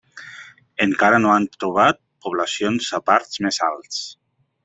Encara no han trobat poblacions a parts més alts.